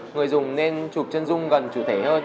người dùng nên chụp chân dung gần chủ thể hơn